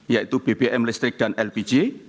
yaitu bbm listrik dan lpg